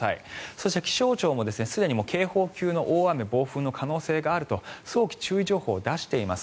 そして気象庁もすでに警報級の大雨、暴風の可能性があると早期注意情報を出しています。